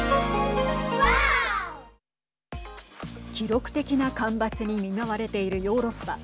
記録的な干ばつに見舞われているヨーロッパ。